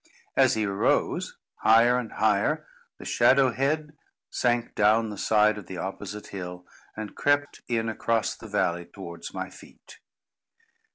As he arose, higher and higher, the shadow head sank down the side of the opposite hill, and crept in across the valley towards my feet.